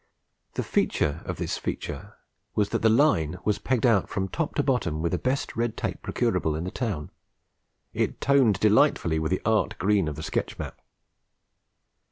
The feature of this feature was that the Line was pegged out from top to bottom with the best red tape procurable in the town. It toned delightfully with the art green of the sketch map.